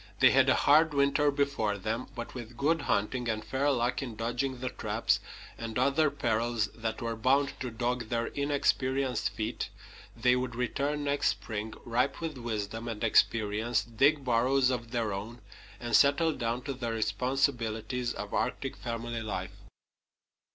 They had a hard winter before them, but with good hunting, and fair luck in dodging the traps and other perils that were bound to dog their inexperienced feet, they would return next spring, ripe with wisdom and experience, dig burrows of their own, and settle down to the responsibilities of Arctic family life.